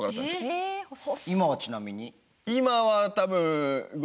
今はちなみに？